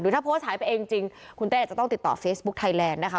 ถ้าโพสต์หายไปเองจริงคุณเต้อาจจะต้องติดต่อเฟซบุ๊คไทยแลนด์นะคะ